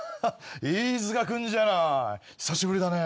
飯塚君じゃない久しぶりだね。